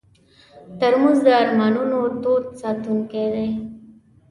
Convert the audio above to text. ترموز د ارمانونو تود ساتونکی دی.